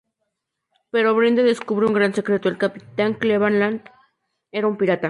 Pero Brenda descubre un gran secreto: el capitán Cleveland era una pirata.